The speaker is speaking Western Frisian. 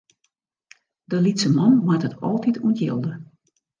De lytse man moat it altyd ûntjilde.